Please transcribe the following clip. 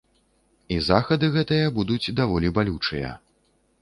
І захады гэтыя будуць даволі балючыя.